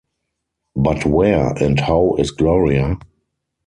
But where and how is Gloria?